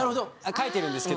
書いてるんですけど。